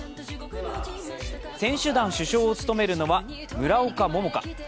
選手団主将を務めるのは村岡桃佳。